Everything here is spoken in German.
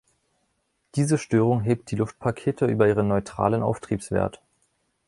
Diese Störung hebt die Luftpakete über ihren neutralen Auftriebswert.